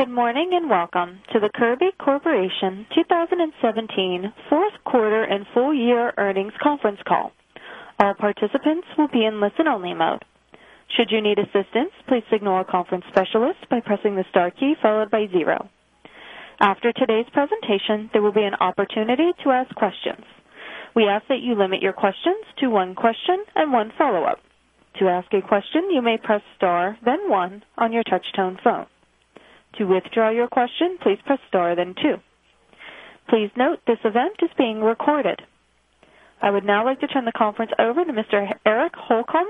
Good morning, and welcome to the Kirby Corporation 2017 fourth quarter and full year earnings conference call. All participants will be in listen-only mode. Should you need assistance, please signal a conference specialist by pressing the star key followed by zero. After today's presentation, there will be an opportunity to ask questions. We ask that you limit your questions to one question and one follow-up. To ask a question, you may press Star, then One on your touch-tone phone. To withdraw your question, please press star, then two. Please note, this event is being recorded. I would now like to turn the conference over to Mr. Eric Holcomb,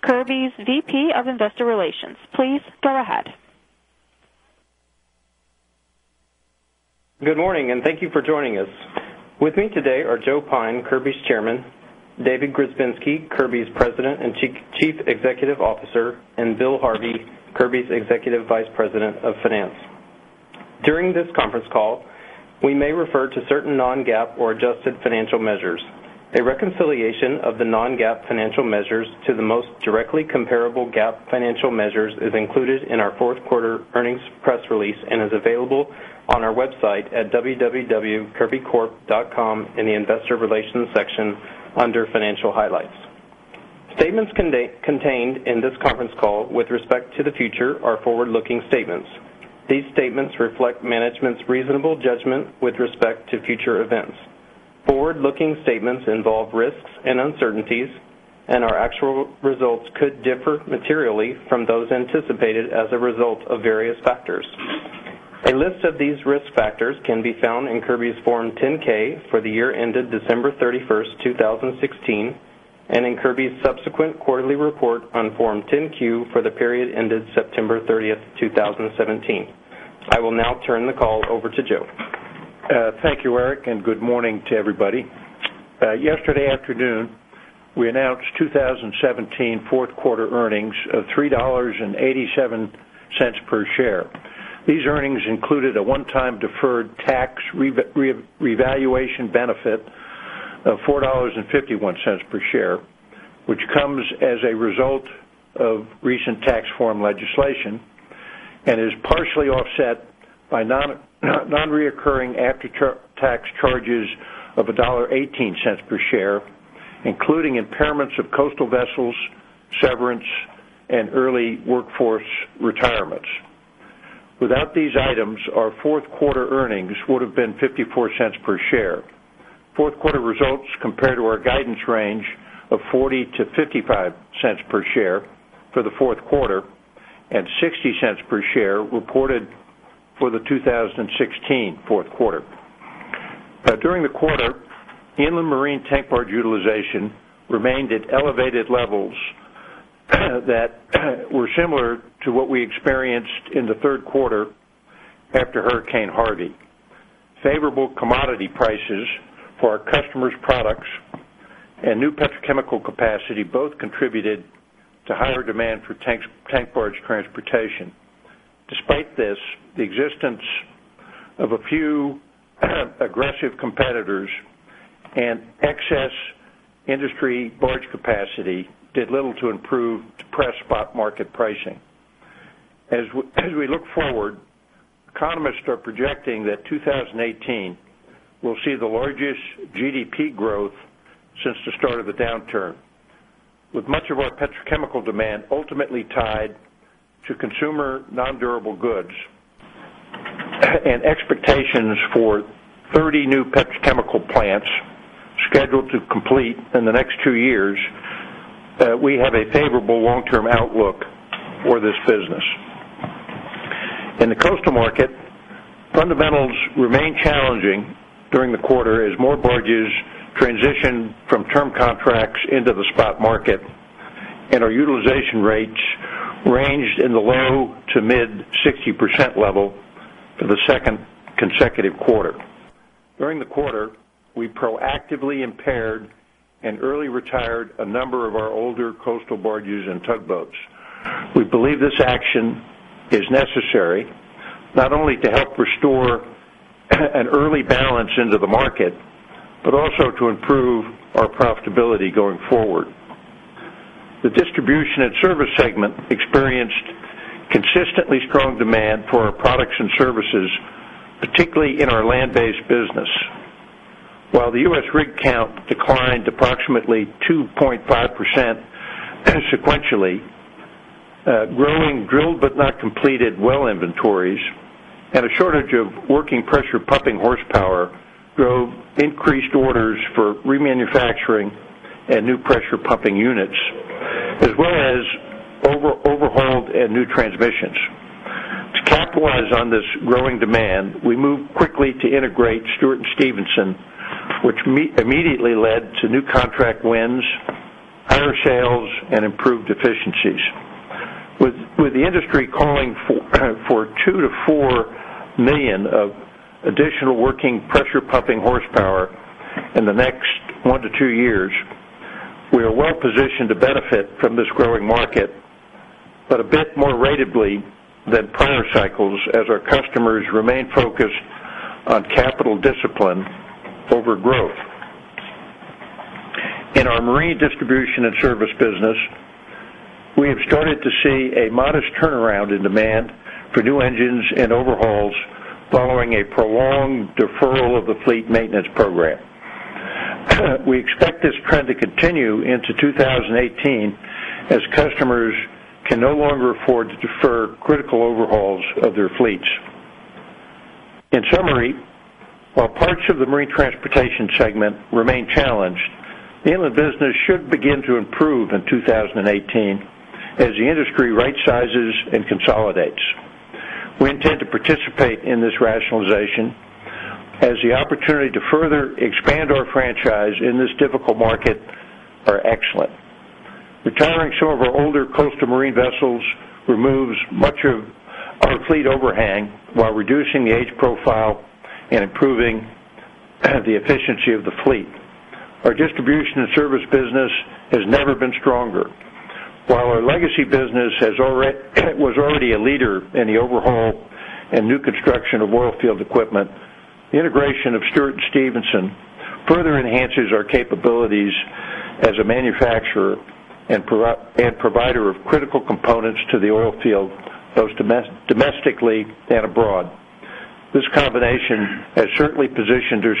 Kirby's VP of Investor Relations. Please go ahead. Good morning, and thank you for joining us. With me today are Joe Pyne, Kirby's Chairman, David Grzebinski, Kirby's President and Chief Executive Officer, and Bill Harvey, Kirby's Executive Vice President of Finance. During this conference call, we may refer to certain non-GAAP or adjusted financial measures. A reconciliation of the non-GAAP financial measures to the most directly comparable GAAP financial measures is included in our fourth quarter earnings press release and is available on our website at www.kirbycorp.com in the Investor Relations section under Financial Highlights. Statements contained in this conference call with respect to the future are forward-looking statements. These statements reflect management's reasonable judgment with respect to future events. Forward-looking statements involve risks and uncertainties, and our actual results could differ materially from those anticipated as a result of various factors. A list of these risk factors can be found in Kirby's Form 10-K for the year ended December 31st, 2016, and in Kirby's subsequent quarterly report on Form 10-Q for the period ended September 30th, 2017. I will now turn the call over to Joe. Thank you, Eric, and good morning to everybody. Yesterday afternoon, we announced 2017 fourth quarter earnings of $3.87 per share. These earnings included a one-time deferred tax revaluation benefit of $4.51 per share, which comes as a result of recent tax reform legislation and is partially offset by non-recurring after-tax charges of $1.18 per share, including impairments of coastal vessels, severance, and early workforce retirements. Without these items, our fourth quarter earnings would have been $0.54 per share. Fourth quarter results compared to our guidance range of $0.40-$0.55 per share for the fourth quarter and $0.60 per share reported for the 2016 fourth quarter. During the quarter, inland marine tank barge utilization remained at elevated levels that were similar to what we experienced in the third quarter after Hurricane Harvey. Favorable commodity prices for our customers' products and new petrochemical capacity both contributed to higher demand for tanks, tank barge transportation. Despite this, the existence of a few aggressive competitors and excess industry barge capacity did little to improve depressed spot market pricing. As we look forward, economists are projecting that 2018 will see the largest GDP growth since the start of the downturn. With much of our petrochemical demand ultimately tied to consumer non-durable goods, and expectations for 30 new petrochemical plants scheduled to complete in the next two years, we have a favorable long-term outlook for this business. In the coastal market, fundamentals remained challenging during the quarter as more barges transitioned from term contracts into the spot market, and our utilization rates ranged in the low- to mid-60% level for the second consecutive quarter. During the quarter, we proactively impaired and early retired a number of our older coastal barges and tugboats. We believe this action is necessary not only to help restore an early balance into the market, but also to improve our profitability going forward. The distribution and service segment experienced consistently strong demand for our products and services, particularly in our land-based business. While the U.S. rig count declined approximately 2.5% sequentially, growing drilled but not completed well inventories and a shortage of working pressure pumping horsepower drove increased orders for remanufacturing and new pressure pumping units, as well as overhauled and new transmissions. To capitalize on this growing demand, we moved quickly to integrate Stewart & Stevenson, which immediately led to new contract wins, higher sales, and improved efficiencies. With the industry calling for 2 million-4 million of additional working pressure pumping horsepower in the next one to two years, we are well-positioned to benefit from this growing market, but a bit more ratably than prior cycles, as our customers remain focused on capital discipline over growth. In our marine distribution and service business, we have started to see a modest turnaround in demand for new engines and overhauls following a prolonged deferral of the fleet maintenance program. We expect this trend to continue into 2018, as customers can no longer afford to defer critical overhauls of their fleets. In summary, while parts of the marine transportation segment remain challenged, the inland business should begin to improve in 2018 as the industry right-sizes and consolidates. We intend to participate in this rationalization as the opportunity to further expand our franchise in this difficult market are excellent. Retiring some of our older coastal marine vessels removes much of our fleet overhang while reducing the age profile and improving the efficiency of the fleet. Our distribution and service business has never been stronger. While our legacy business has already a leader in the overhaul and new construction of oil field equipment, the integration of Stewart & Stevenson further enhances our capabilities as a manufacturer and provider of critical components to the oil field, both domestically and abroad. This combination has certainly positioned our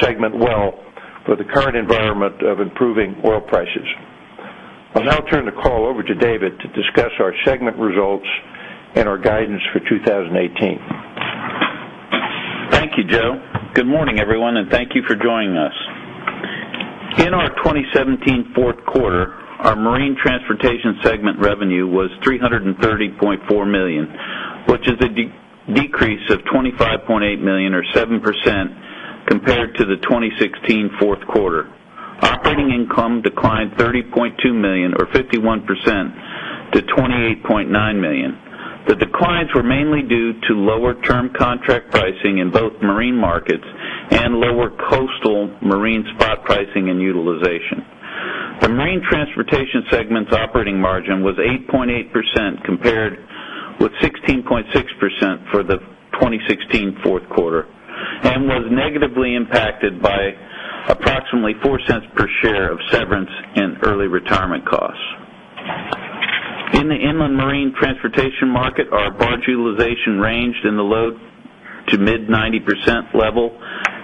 segment well for the current environment of improving oil prices. I'll now turn the call over to David to discuss our segment results and our guidance for 2018. Thank you, Joe. Good morning, everyone, and thank you for joining us. In our 2017 fourth quarter, our marine transportation segment revenue was $330.4 million, which is a decrease of $25.8 million, or 7%, compared to the 2016 fourth quarter. Operating income declined $30.2 million, or 51%, to $28.9 million. The declines were mainly due to lower term contract pricing in both marine markets and lower coastal marine spot pricing and utilization. The marine transportation segment's operating margin was 8.8%, compared with 16.6% for the 2016 fourth quarter, and was negatively impacted by approximately $0.04 per share of severance and early retirement costs. In the inland marine transportation market, our barge utilization ranged in the low- to mid-90% level,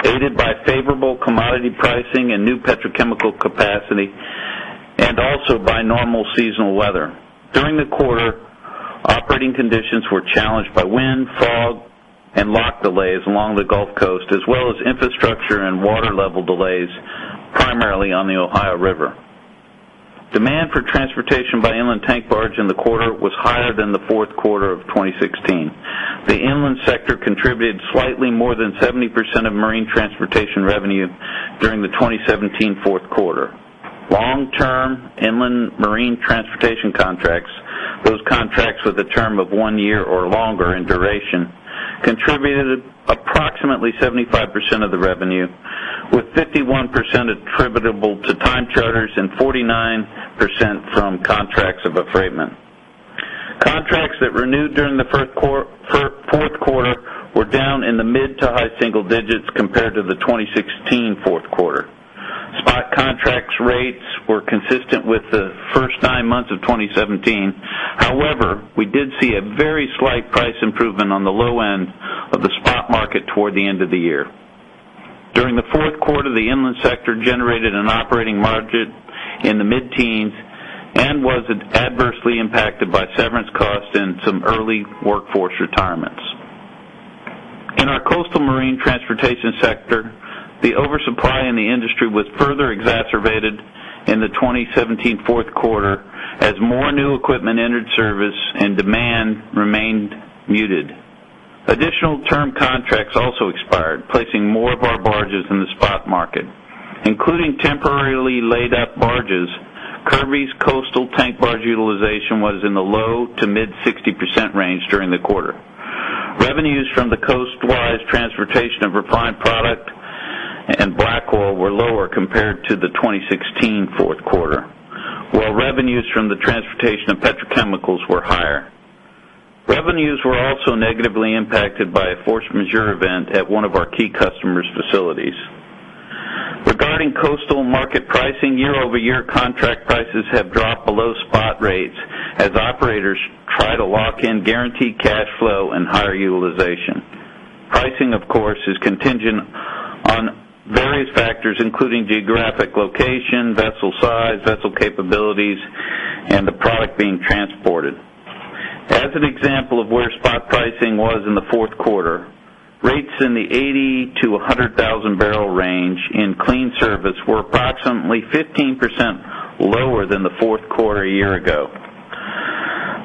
aided by favorable commodity pricing and new petrochemical capacity, and also by normal seasonal weather. During the quarter, operating conditions were challenged by wind, fog, and lock delays along the Gulf Coast, as well as infrastructure and water level delays, primarily on the Ohio River. Demand for transportation by inland tank barge in the quarter was higher than the fourth quarter of 2016. The inland sector contributed slightly more than 70% of marine transportation revenue during the 2017 fourth quarter. Long-term inland marine transportation contracts, those contracts with a term of one year or longer in duration, contributed approximately 75% of the revenue, with 51% attributable to time charters and 49% from contracts of affreightment. Contracts that renewed during the fourth quarter were down in the mid- to high-single digits compared to the 2016 fourth quarter. Spot contract rates were consistent with the first nine months of 2017. However, we did see a very slight price improvement on the low end of the spot market toward the end of the year. During the fourth quarter, the inland sector generated an operating margin in the mid-teens and was adversely impacted by severance costs and some early workforce retirements. In our coastal marine transportation sector, the oversupply in the industry was further exacerbated in the 2017 fourth quarter as more new equipment entered service and demand remained muted. Additional term contracts also expired, placing more of our barges in the spot market, including temporarily laid up barges. Kirby's coastal tank barge utilization was in the low- to mid-60% range during the quarter. Revenues from the coastwise transportation of refined product and black oil were lower compared to the 2016 fourth quarter, while revenues from the transportation of petrochemicals were higher. Revenues were also negatively impacted by a force majeure event at one of our key customers' facilities. Regarding coastal market pricing, year-over-year contract prices have dropped below spot rates as operators try to lock in guaranteed cash flow and higher utilization. Pricing, of course, is contingent on various factors, including geographic location, vessel size, vessel capabilities, and the product being transported. As an example of where spot pricing was in the fourth quarter, rates in the 80,000-100,000 barrel range in clean service were approximately 15% lower than the fourth quarter a year ago.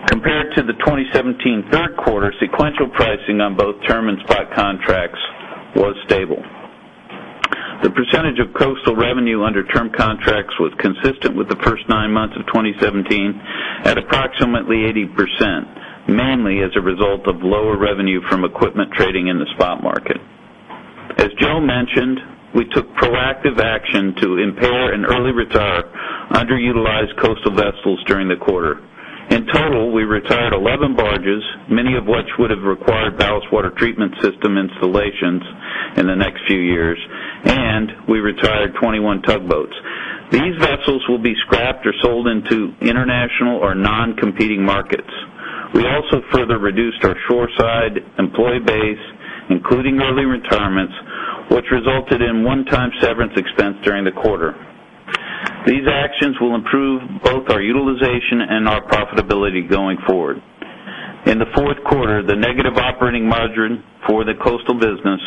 Compared to the 2017 third quarter, sequential pricing on both term and spot contracts was stable. The percentage of coastal revenue under term contracts was consistent with the first nine months of 2017 at approximately 80%, mainly as a result of lower revenue from equipment trading in the spot market. As Joe mentioned, we took proactive action to impair and early retire underutilized coastal vessels during the quarter. In total, we retired 11 barges, many of which would have required ballast water treatment system installations in the next few years, and we retired 21 tugboats. These vessels will be scrapped or sold into international or non-competing markets. We also further reduced our shoreside employee base, including early retirements, which resulted in one-time severance expense during the quarter. These actions will improve both our utilization and our profitability going forward. In the fourth quarter, the negative operating margin for the coastal business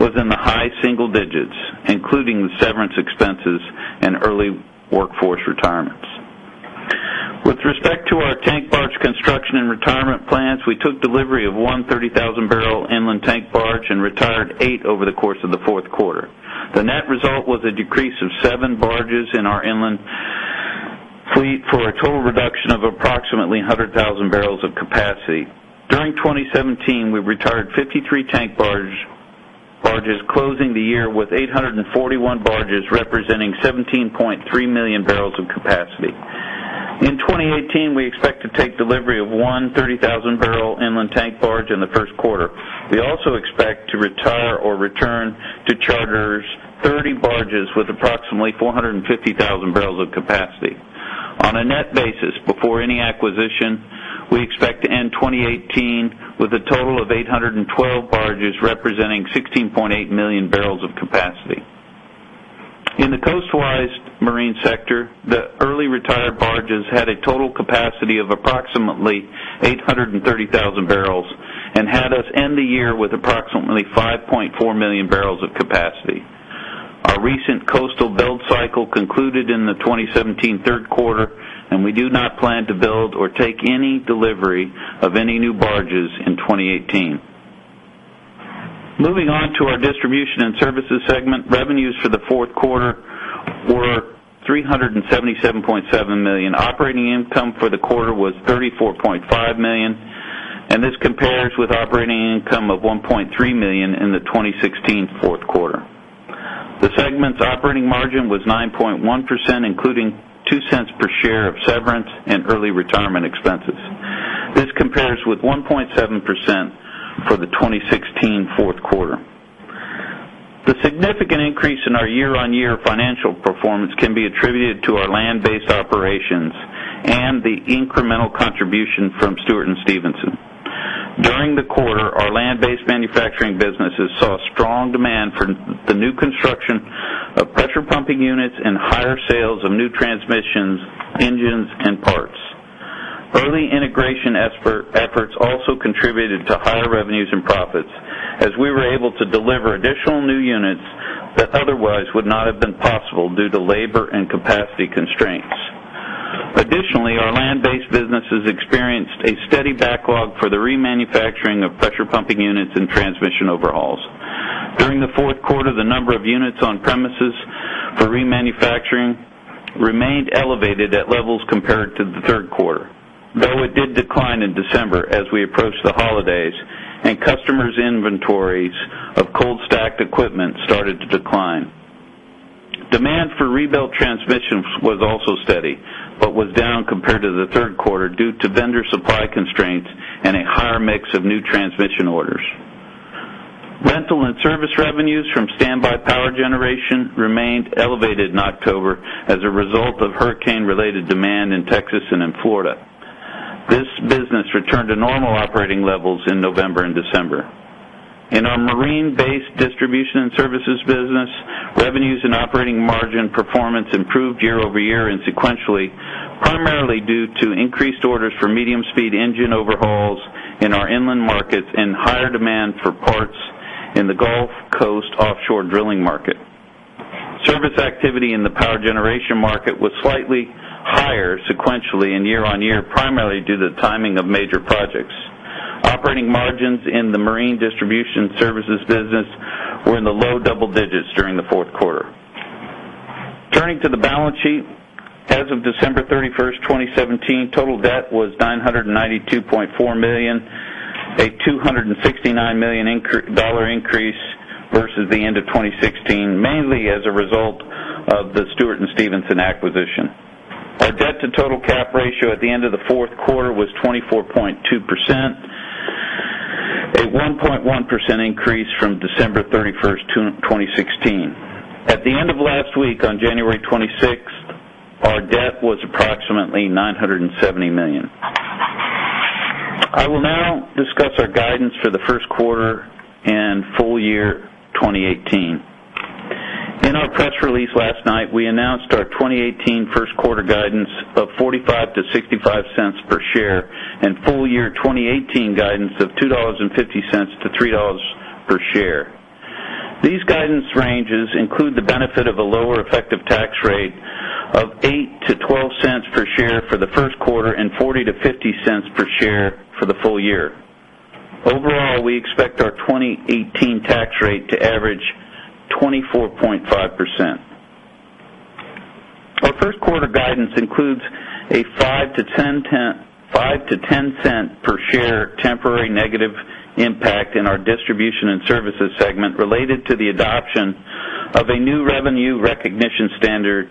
was in the high single digits, including the severance expenses and early workforce retirements. With respect to our tank barge construction and retirement plans, we took delivery of one 30,000-barrel inland tank barge and retired 8 over the course of the fourth quarter. The net result was a decrease of seven barges in our inland fleet for a total reduction of approximately 100,000 barrels of capacity. During 2017, we retired 53 tank barges, closing the year with 841 barges, representing 17.3 million barrels of capacity. In 2018, we expect to take delivery of one 30,000-barrel inland tank barge in the first quarter. We also expect to retire or return to charters 30 barges with approximately 450,000 barrels of capacity. On a net basis, before any acquisition, we expect to end 2018 with a total of 812 barges, representing 16.8 million barrels of capacity. In the coastal marine sector, the early retired barges had a total capacity of approximately 830,000 barrels and had us end the year with approximately 5.4 million barrels of capacity. Our recent coastal build cycle concluded in the 2017 third quarter, and we do not plan to build or take any delivery of any new barges in 2018. Moving on to our distribution and services segment, revenues for the fourth quarter were $377.7 million. Operating income for the quarter was $34.5 million, and this compares with operating income of $1.3 million in the 2016 fourth quarter. The segment's operating margin was 9.1%, including $0.02 per share of severance and early retirement expenses. This compares with 1.7% for the 2016 fourth quarter. The significant increase in our year-on-year financial performance can be attributed to our land-based operations and the incremental contribution from Stewart & Stevenson. During the quarter, our land-based manufacturing businesses saw strong demand for the new construction of pressure pumping units and higher sales of new transmissions, engines, and parts. Early integration efforts also contributed to higher revenues and profits, as we were able to deliver additional new units that otherwise would not have been possible due to labor and capacity constraints. Additionally, our land-based businesses experienced a steady backlog for the remanufacturing of pressure pumping units and transmission overhauls. During the fourth quarter, the number of units on premises for remanufacturing remained elevated at levels compared to the third quarter, though it did decline in December as we approached the holidays and customers' inventories of cold-stacked equipment started to decline. Demand for rebuilt transmissions was also steady, but was down compared to the third quarter due to vendor supply constraints and a higher mix of new transmission orders. Rental and service revenues from standby power generation remained elevated in October as a result of hurricane-related demand in Texas and in Florida. This business returned to normal operating levels in November and December. In our marine-based distribution and services business, revenues and operating margin performance improved year-over-year and sequentially, primarily due to increased orders for medium-speed engine overhauls in our inland markets and higher demand for parts in the Gulf Coast offshore drilling market. Service activity in the power generation market was slightly higher sequentially and year-over-year, primarily due to the timing of major projects. Operating margins in the marine distribution services business were in the low double digits during the fourth quarter. Turning to the balance sheet. As of December 31st, 2017, total debt was $992.4 million, a $269 million increase versus the end of 2016, mainly as a result of the Stewart & Stevenson acquisition. Our debt-to-total cap ratio at the end of the fourth quarter was 24.2%, a 1.1 increase from December 31st, 2016. At the end of last week, on January 26, our debt was approximately $970 million. I will now discuss our guidance for the first quarter and full year 2018. In our press release last night, we announced our 2018 first quarter guidance of $0.45-$0.65 per share and full year 2018 guidance of $2.50-$3.00 per share. These guidance ranges include the benefit of a lower effective tax rate of $0.08-$0.12 per share for the first quarter and $0.40-$0.50 per share for the full year. Overall, we expect our 2018 tax rate to average 24.5%. Our first quarter guidance includes a $0.05-$0.10 per share temporary negative impact in our distribution and services segment related to the adoption of a new revenue recognition standard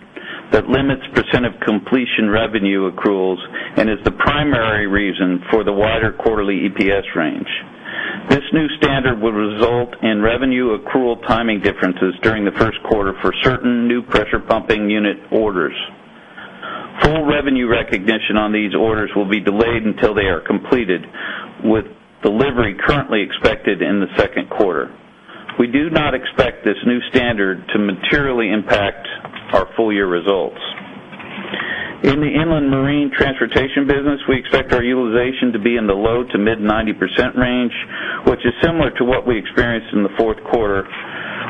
that limits percent of completion revenue accruals and is the primary reason for the wider quarterly EPS range. This new standard will result in revenue accrual timing differences during the first quarter for certain new pressure pumping unit orders. Full revenue recognition on these orders will be delayed until they are completed, with delivery currently expected in the second quarter. We do not expect this new standard to materially impact our full year results. In the inland marine transportation business, we expect our utilization to be in the low- to mid-90% range, which is similar to what we experienced in the fourth quarter,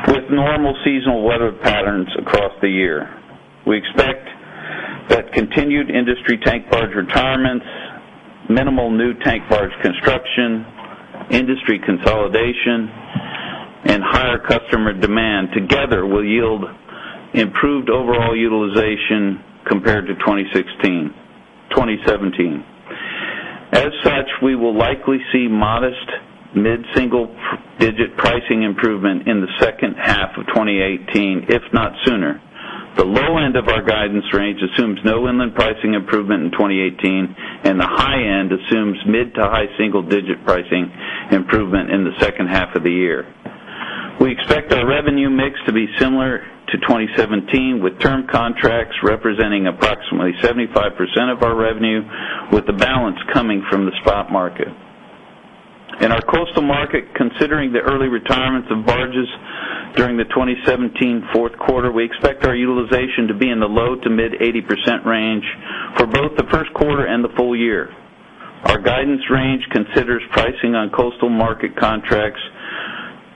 with normal seasonal weather patterns across the year. We expect that continued industry tank barge retirements, minimal new tank barge construction, industry consolidation, and higher customer demand together will yield improved overall utilization compared to 2016-2017. As such, we will likely see modest mid-single-digit pricing improvement in the second half of 2018, if not sooner. The low end of our guidance range assumes no inland pricing improvement in 2018, and the high end assumes mid to high single-digit pricing improvement in the second half of the year. We expect our revenue mix to be similar to 2017, with term contracts representing approximately 75% of our revenue, with the balance coming from the spot market. In our coastal market, considering the early retirements of barges during the 2017 fourth quarter, we expect our utilization to be in the low to mid-80% range for both the first quarter and the full year. Our guidance range considers pricing on coastal market contracts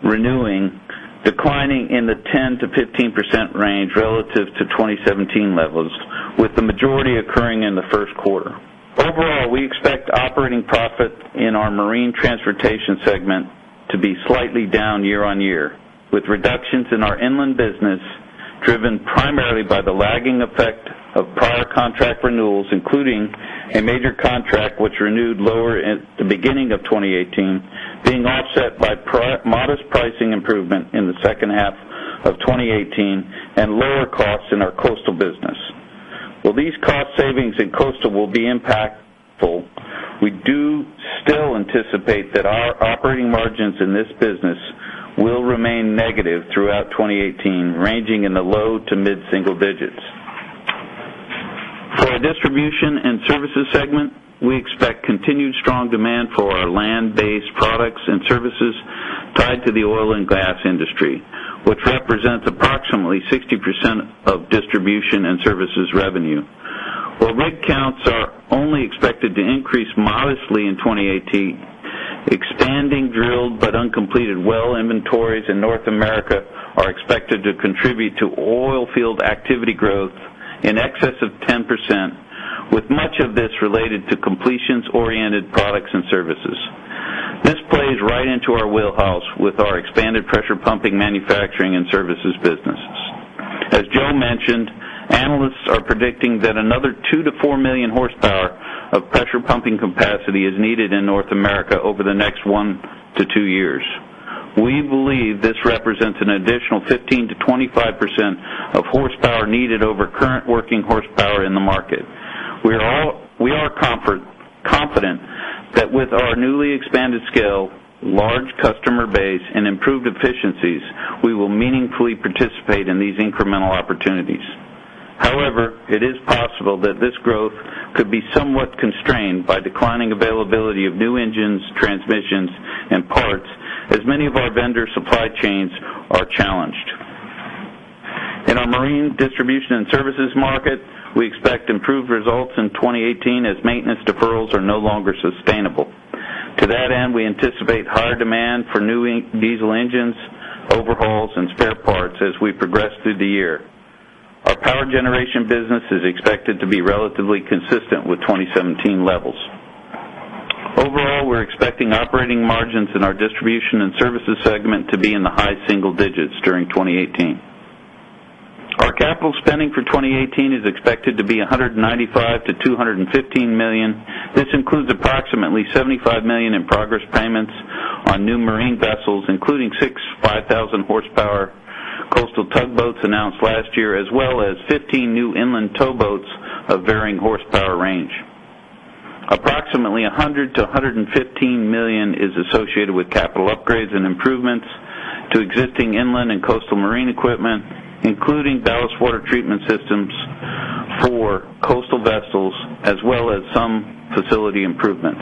renewing, declining in the 10%-15% range relative to 2017 levels, with the majority occurring in the first quarter. Overall, we expect operating profit in our marine transportation segment to be slightly down year-on-year, with reductions in our inland business driven primarily by the lagging effect of prior contract renewals, including a major contract which renewed lower at the beginning of 2018, being offset by modest pricing improvement in the second half of 2018 and lower costs in our coastal business. While these cost savings in coastal will be impactful, we do still anticipate that our operating margins in this business will remain negative throughout 2018, ranging in the low to mid-single digits. For our distribution and services segment, we expect continued strong demand for our land-based products and services tied to the oil and gas industry, which represents approximately 60% of distribution and services revenue. While rig counts are only expected to increase modestly in 2018, expanding drilled but uncompleted well inventories in North America are expected to contribute to oil field activity growth in excess of 10%, with much of this related to completions-oriented products and services. This plays right into our wheelhouse with our expanded pressure pumping, manufacturing and services businesses. As Joe mentioned, analysts are predicting that another 2 million-4 million horsepower of pressure pumping capacity is needed in North America over the next one to two years. We believe this represents an additional 15%-25% of horsepower needed over current working horsepower in the market. We are confident that with our newly expanded scale, large customer base and improved efficiencies, we will meaningfully participate in these incremental opportunities. However, it is possible that this growth could be somewhat constrained by declining availability of new engines, transmissions, and parts, as many of our vendor supply chains are challenged. In our marine distribution and services market, we expect improved results in 2018 as maintenance deferrals are no longer sustainable. To that end, we anticipate higher demand for new diesel engines, overhauls, and spare parts as we progress through the year. Our power generation business is expected to be relatively consistent with 2017 levels. Overall, we're expecting operating margins in our distribution and services segment to be in the high single-digits during 2018. Our capital spending for 2018 is expected to be $195 million-$215 million. This includes approximately $75 million in progress payments on new marine vessels, including six 5,000-horsepower coastal tugboats announced last year, as well as 15 new inland towboats of varying horsepower range. Approximately $100 million-$115 million is associated with capital upgrades and improvements to existing inland and coastal marine equipment, including ballast water treatment systems for coastal vessels, as well as some facility improvements.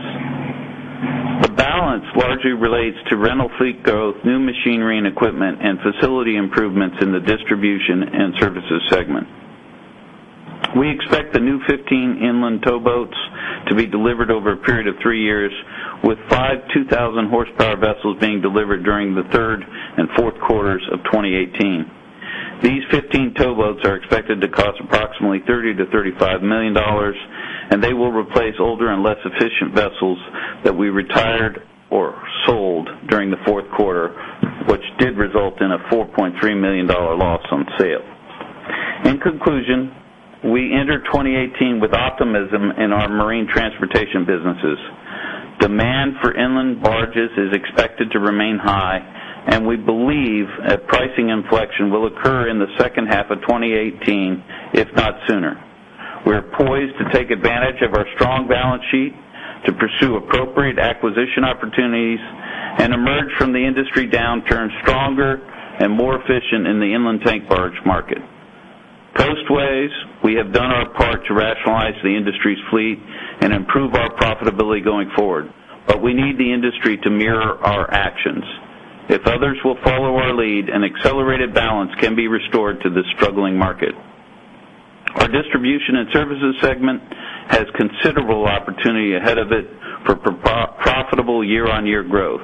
The balance largely relates to rental fleet growth, new machinery and equipment, and facility improvements in the distribution and services segment. We expect the new 15 inland towboats to be delivered over a period of three years, with five 2,000-horsepower vessels being delivered during the third and fourth quarters of 2018. These 15 towboats are expected to cost approximately $30 million-$35 million, and they will replace older and less efficient vessels that we retired or sold during the fourth quarter, which did result in a $4.3 million loss on sale. In conclusion, we enter 2018 with optimism in our marine transportation businesses. Demand for inland barges is expected to remain high, and we believe a pricing inflection will occur in the second half of 2018, if not sooner. We are poised to take advantage of our strong balance sheet to pursue appropriate acquisition opportunities and emerge from the industry downturn stronger and more efficient in the inland tank barge market. Coastal-wise, we have done our part to rationalize the industry's fleet and improve our profitability going forward, but we need the industry to mirror our actions. If others will follow our lead, an accelerated balance can be restored to this struggling market. Our distribution and services segment has considerable opportunity ahead of it for profitable year-on-year growth.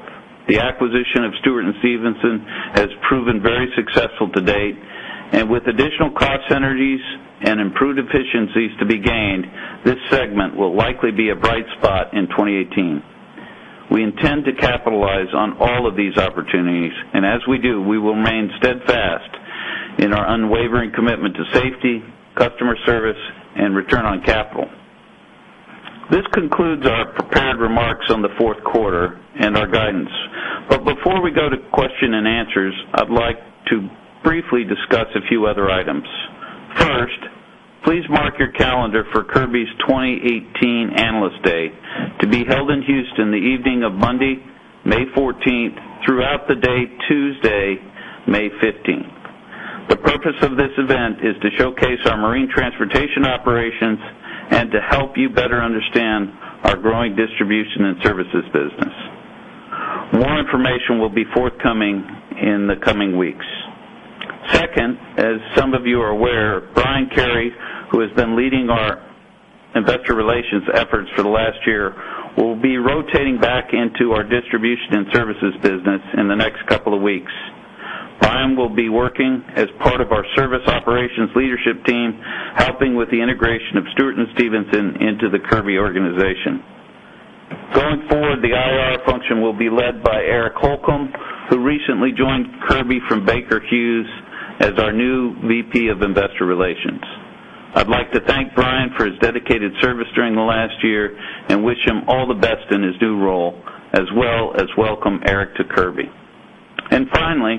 The acquisition of Stewart & Stevenson has proven very successful to date, and with additional cost synergies and improved efficiencies to be gained, this segment will likely be a bright spot in 2018. We intend to capitalize on all of these opportunities, and as we do, we will remain steadfast in our unwavering commitment to safety, customer service, and return on capital. This concludes our prepared remarks on the fourth quarter and our guidance. But before we go to questions and answers, I'd like to briefly discuss a few other items. First, please mark your calendar for Kirby's 2018 Analyst Day, to be held in Houston the evening of Monday, May 14, throughout the day, Tuesday, May 15. The purpose of this event is to showcase our marine transportation operations and to help you better understand our growing distribution and services business. More information will be forthcoming in the coming weeks. Second, as some of you are aware, Brian Kerr, who has been leading our investor relations efforts for the last year, will be rotating back into our distribution and services business in the next couple of weeks. Brian will be working as part of our service operations leadership team, helping with the integration of Stewart & Stevenson into the Kirby organization. Going forward, the IR function will be led by Eric Holcomb, who recently joined Kirby from Baker Hughes as our new VP of Investor Relations. I'd like to thank Brian for his dedicated service during the last year and wish him all the best in his new role, as well as welcome Eric to Kirby. Finally,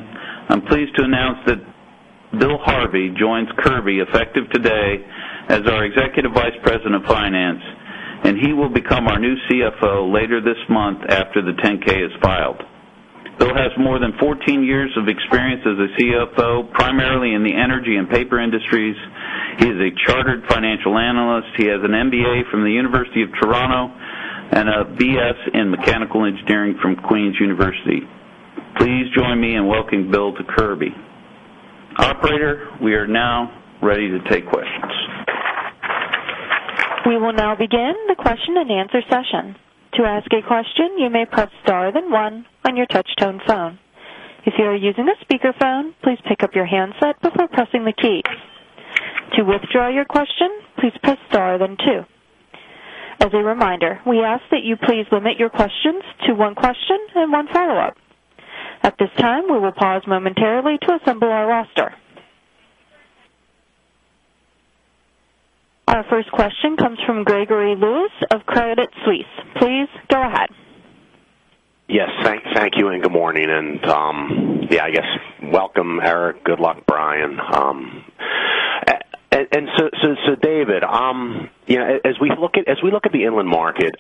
I'm pleased to announce that Bill Harvey joins Kirby, effective today, as our Executive Vice President of Finance, and he will become our new CFO later this month after the 10-K is filed. Bill has more than 14 years of experience as a CFO, primarily in the energy and paper industries. He is a chartered financial analyst. He has an MBA from the University of Toronto and a BS in Mechanical Engineering from Queen's University. Please join me in welcoming Bill to Kirby. Operator, we are now ready to take questions. We will now begin the question-and-answer session. To ask a question, you may press star, then one on your touch-tone phone. If you are using a speakerphone, please pick up your handset before pressing the key. To withdraw your question, please press star, then two. As a reminder, we ask that you please limit your questions to one question and one follow-up. At this time, we will pause momentarily to assemble our roster. Our first question comes from Gregory Lewis of Credit Suisse. Please go ahead. Yes, thank you, and good morning. Yeah, I guess welcome, Eric. Good luck, Brian. So David, you know, as we look at the inland market,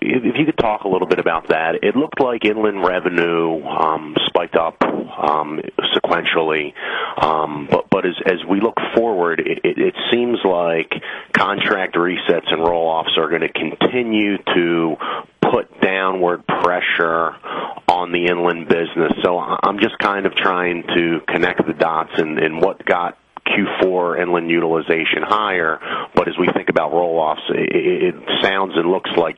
if you could talk a little bit about that. It looked like inland revenue spiked up sequentially. But as we look forward, it seems like contract resets and roll-offs are going to continue to put downward pressure on the inland business. So I'm just kind of trying to connect the dots in what got Q4 inland utilization higher. But as we think about roll-offs, it sounds and looks like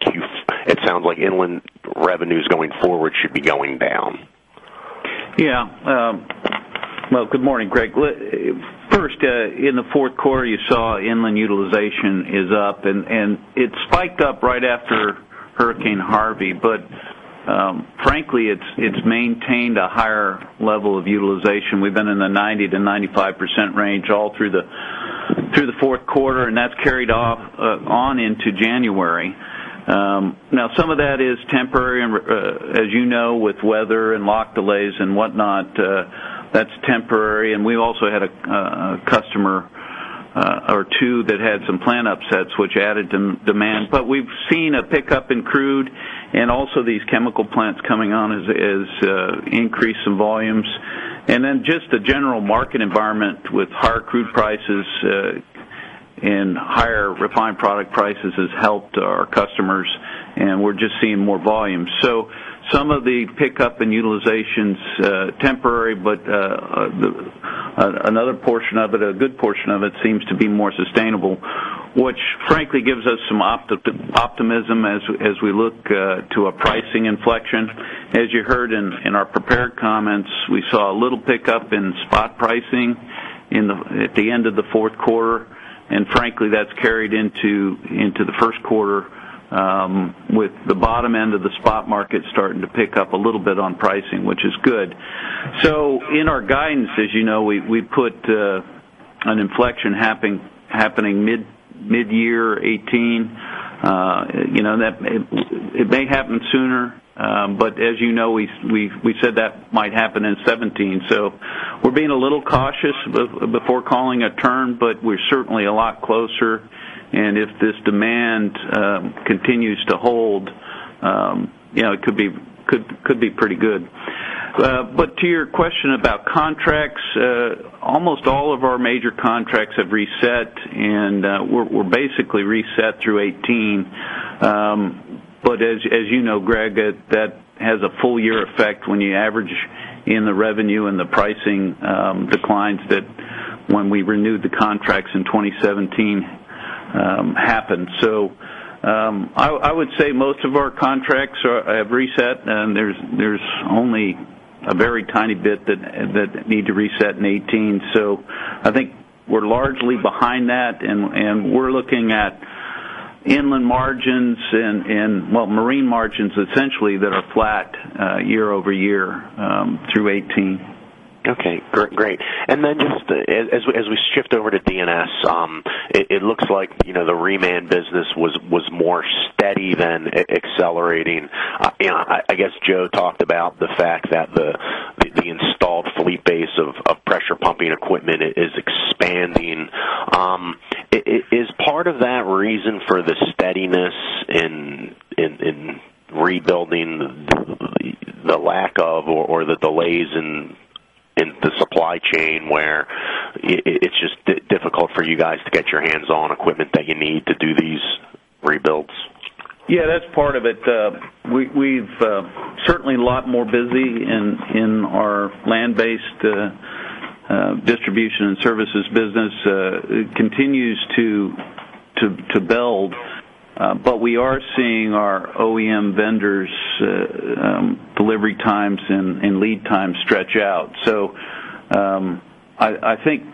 inland revenues going forward should be going down. Yeah. Well, good morning, Greg. First, in the fourth quarter, you saw inland utilization is up, and it spiked up right after Hurricane Harvey. But frankly, it's maintained a higher level of utilization. We've been in the 90%-95% range all through the fourth quarter, and that's carried off on into January. Now, some of that is temporary, and as you know, with weather and lock delays and whatnot, that's temporary. And we also had a customer or two that had some plant upsets, which added demand. But we've seen a pickup in crude and also these chemical plants coming on as increase in volumes. And then just the general market environment with higher crude prices and higher refined product prices has helped our customers, and we're just seeing more volume. So some of the pickup in utilization's temporary, but another portion of it, a good portion of it, seems to be more sustainable, which frankly gives us some optimism as we look to a pricing inflection. As you heard in our prepared comments, we saw a little pickup in spot pricing in the at the end of the fourth quarter, and frankly that's carried into the first quarter with the bottom end of the spot market starting to pick up a little bit on pricing, which is good. So in our guidance, as you know, we put an inflection happening mid-year 2018. You know, that it may happen sooner, but as you know, we said that might happen in 2017. So we're being a little cautious before calling a turn, but we're certainly a lot closer, and if this demand continues to hold, you know, it could be pretty good. But to your question about contracts, almost all of our major contracts have reset, and we're basically reset through 2018. But as you know, Greg, that has a full year effect when you average in the revenue and the pricing declines that when we renewed the contracts in 2017 happened. So I would say most of our contracts have reset, and there's only a very tiny bit that need to reset in 2018. So I think we're largely behind that, and we're looking at inland margins and, well, marine margins, essentially, that are flat year-over-year through 2018. Okay, great. And then just as we shift over to D&S, it looks like, you know, the rental business was more steady than accelerating. You know, I guess Joe talked about the fact that the installed fleet base of pressure pumping equipment is expanding. Is part of that reason for the steadiness in rebuilding the lack of or the delays in the supply chain, where it's just difficult for you guys to get your hands on equipment that you need to do these rebuilds? Yeah, that's part of it. We've certainly a lot more busy in our land-based distribution and services business. It continues to build, but we are seeing our OEM vendors' delivery times and lead times stretch out. So, I think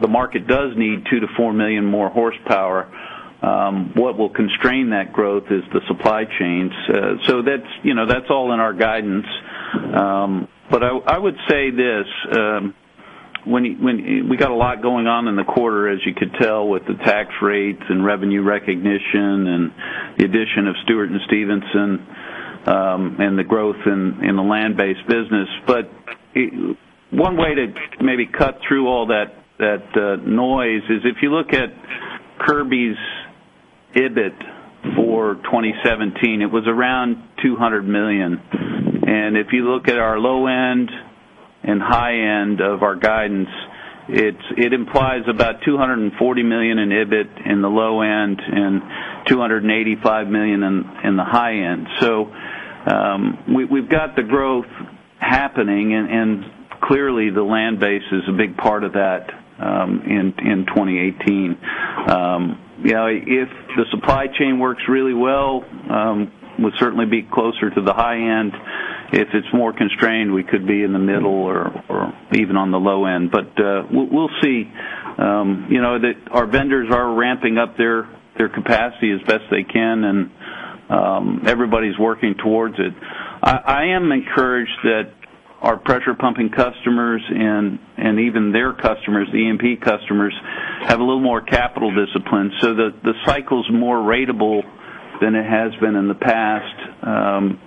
the market does need 2 million-4 million more horsepower. What will constrain that growth is the supply chains. So that's, you know, that's all in our guidance. But I would say this, when we got a lot going on in the quarter, as you could tell, with the tax rates and revenue recognition and the addition of Stewart & Stevenson, and the growth in the land-based business. But one way to maybe cut through all that, that noise is if you look at Kirby's EBIT for 2017, it was around $200 million. And if you look at our low end and high end of our guidance, it implies about $240 million in EBIT in the low end and $285 million in the high end. So, we've got the growth happening, and clearly, the land base is a big part of that in 2018. You know, if the supply chain works really well, we'll certainly be closer to the high end. If it's more constrained, we could be in the middle or even on the low end. But we'll see. You know that our vendors are ramping up their capacity as best they can, and everybody's working towards it. I am encouraged that our pressure pumping customers and even their customers, the E&P customers, have a little more capital discipline so that the cycle's more ratable than it has been in the past.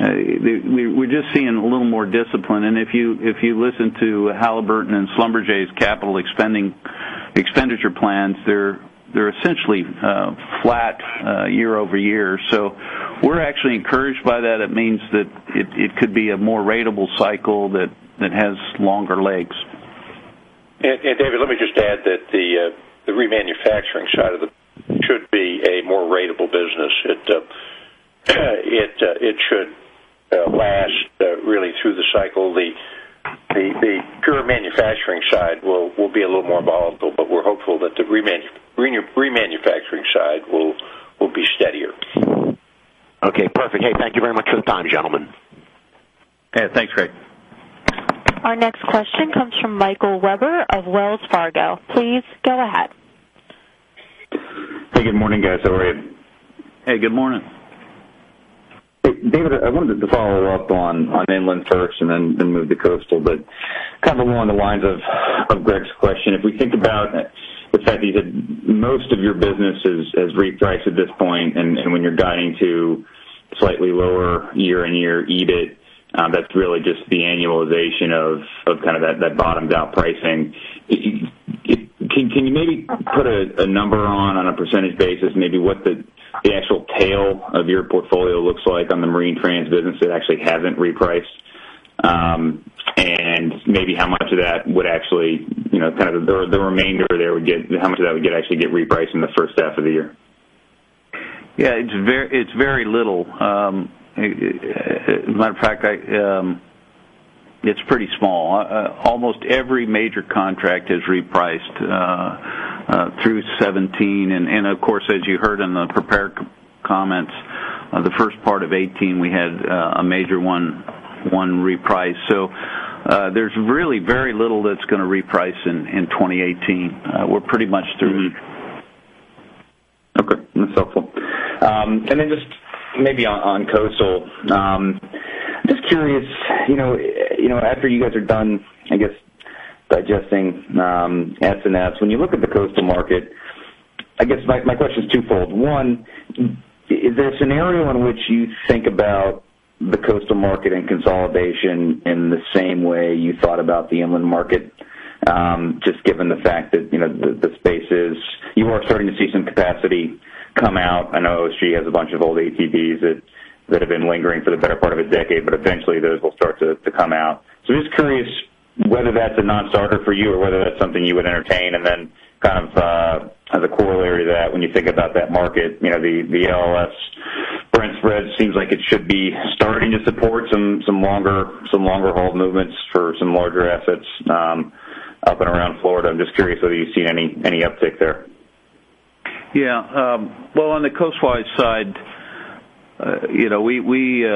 We're just seeing a little more discipline, and if you listen to Halliburton and Schlumberger's capital expenditure plans, they're essentially flat year-over-year. So we're actually encouraged by that. It means that it could be a more ratable cycle that has longer legs. And David, let me just add that the remanufacturing side of it should be a more ratable business. It should last really through the cycle. The pure manufacturing side will be a little more volatile, but we're hopeful that the remanufacturing side will be steadier. Okay, perfect. Hey, thank you very much for the time, gentlemen. Yeah, thanks, Greg. Our next question comes from Michael Webber of Wells Fargo. Please go ahead. Hey, good morning, guys. How are you? Hey, good morning. David, I wanted to follow up on inland first and then move to coastal, but kind of along the lines of Greg's question. If we think about the fact that you said most of your business has repriced at this point, and when you're guiding to slightly lower year-on-year EBIT, that's really just the annualization of kind of that bottomed out pricing. Can you maybe put a number on a percentage basis, maybe what the actual tail of your portfolio looks like on the marine trans business that actually hasn't repriced? And maybe how much of that would actually you know kind of the remainder there would get, how much of that would actually get repriced in the first half of the year? Yeah, it's very little. Matter of fact, it's pretty small. Almost every major contract has repriced through 2017, and of course, as you heard in the prepared comments, the first part of 2018, we had a major reprice. So, there's really very little that's going to reprice in 2018. We're pretty much through. Okay, that's helpful. And then just maybe on coastal, just curious, you know, you know, after you guys are done, I guess, digesting OSG's, when you look at the coastal market, I guess my question is twofold. One, is there a scenario in which you think about the coastal market and consolidation in the same way you thought about the inland market, just given the fact that, you know, the space is, you are starting to see some capacity come out? I know she has a bunch of old ATBs that have been lingering for the better part of a decade, but eventually those will start to come out. So just curious whether that's a nonstarter for you or whether that's something you would entertain. And then kind of, as a corollary to that, when you think about that market, you know, the LLS Brent spread seems like it should be starting to support some longer-haul movements for some larger assets, up and around Florida. I'm just curious whether you've seen any uptick there. Yeah. Well, on the coastwise side, you know, we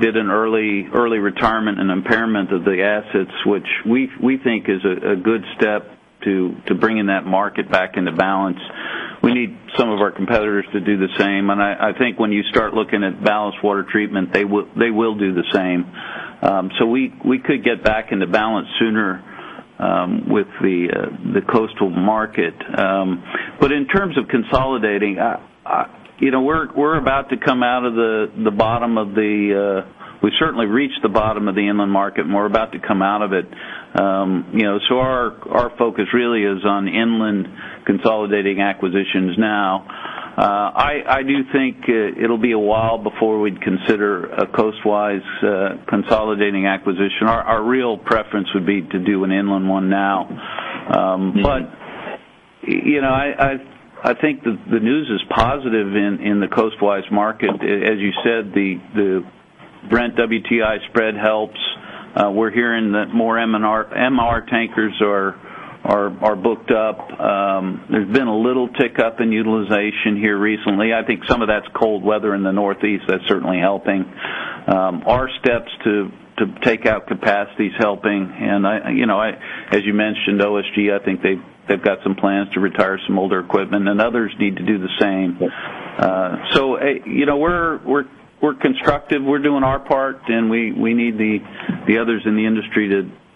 did an early early retirement and impairment of the assets, which we think is a good step to bringing that market back into balance. We need some of our competitors to do the same, and I think when you start looking at ballast water treatment, they will do the same. So we could get back into balance sooner with the coastal market. But in terms of consolidating, you know, we're about to come out of the bottom of the we've certainly reached the bottom of the inland market, and we're about to come out of it. You know, so our focus really is on inland consolidating acquisitions now. I do think it'll be a while before we'd consider a coastwise consolidating acquisition. Our real preference would be to do an inland one now. But, you know, I think the news is positive in the coastwise market. As you said, the Brent WTI spread helps. We're hearing that more MR tankers are booked up. There's been a little tick-up in utilization here recently. I think some of that's cold weather in the Northeast. That's certainly helping. Our steps to take out capacity is helping. And I, you know, as you mentioned, OSG, I think they've got some plans to retire some older equipment, and others need to do the same. Yep. So, you know, we're constructive. We're doing our part, and we need the others in the industry